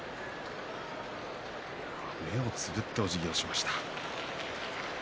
目をつぶっておじぎをしました。